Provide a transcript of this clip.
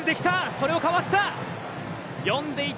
それをかわした。